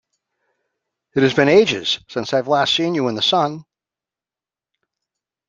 It has been ages since I've last seen you out in the sun!